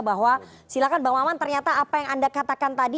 bahwa silakan bang maman ternyata apa yang anda katakan tadi